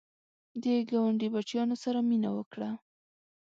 د ګاونډي بچیانو سره مینه وکړه